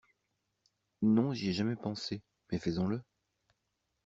Non j'y ai jamais pensé, mais faisons-le.